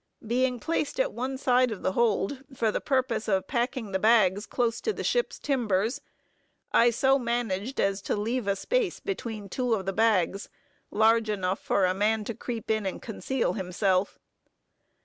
Being placed at one side of the hold, for the purpose of packing the bags close to the ship's timbers, I so managed as to leave a space between two of the bags, large enough for a man to creep in and conceal himself.